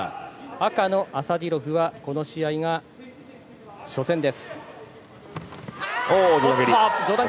赤のアサディロフはこの試合が初戦です。